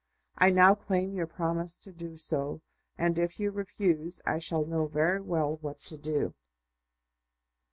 I now claim your promise to do so; and if you refuse, I shall know very well what to do."